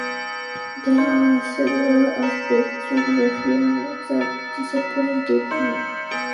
There were several aspects of the film that disappointed me.